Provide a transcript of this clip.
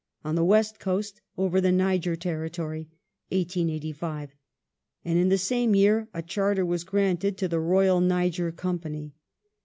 On the West coast over the Niger territory (1885), and, in the same year, a Charter was granted to the Royal Niger Company.